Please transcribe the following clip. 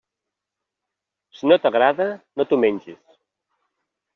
Si no t'agrada, no t'ho menges.